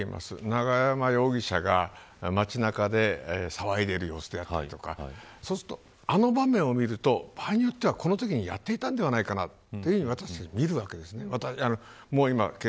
永山容疑者が街中で騒いでいる様子であるとかあの場面を見ると場合によっては、このときにやっていたんではないかと私は見るわけです。